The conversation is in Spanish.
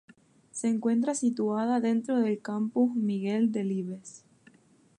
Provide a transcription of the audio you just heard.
Se encuentra situada dentro del Campus Miguel Delibes.